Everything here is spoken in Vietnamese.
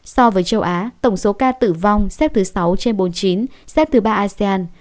so với châu á tổng số ca tử vong xếp thứ sáu trên bốn mươi chín xếp thứ ba asean